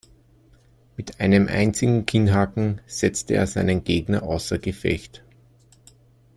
Mit einem einzigen Kinnhaken setzte er seinen Gegner außer Gefecht.